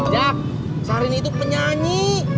cak sehari ini itu penyanyi